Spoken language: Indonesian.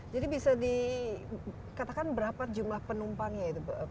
jadi bisa dikatakan berapa jumlah penumpangnya itu